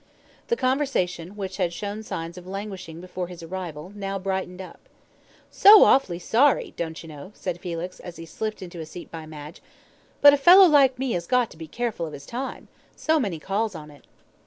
The conversation, which had shown signs of languishing before his arrival, now brightened up. "So awfully sorry, don't you know," said Felix, as he slipped into a seat by Madge; "but a fellow like me has got to be careful of his time so many calls on it."